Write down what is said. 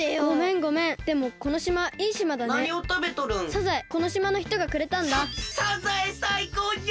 ササザエさいこうじゃ！